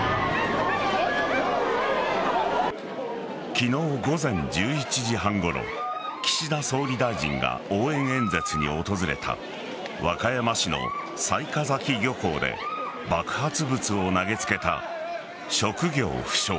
昨日午前１１時半ごろ岸田総理大臣が応援演説に訪れた和歌山市の雑賀崎漁港で爆発物を投げつけた職業不詳